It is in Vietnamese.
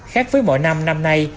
khác với mỗi năm năm nay